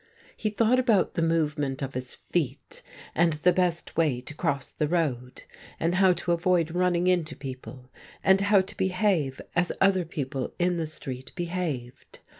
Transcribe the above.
He thought about the movement of his feet, and the best way to cross the road, and how to avoid running into people, and how to behave as other people in the street behaved.